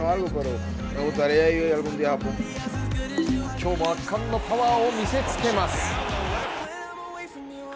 今日も圧巻のパワーを見せつけます。